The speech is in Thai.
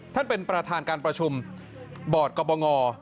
ท่านประธานเป็นประธานการประชุมบอร์ดกบง